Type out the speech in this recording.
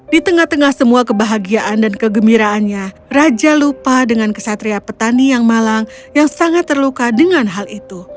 di tengah tengah semua kebahagiaan dan kegembiraannya raja lupa dengan kesatria petani yang malang yang sangat terluka dengan hal itu